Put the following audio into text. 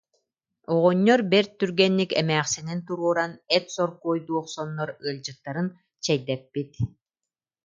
Оҕонньор бэрт түргэнник эмээхсинин туруоран, эт соркуойдуу охсоннор, ыалдьыттарын чэйдэппит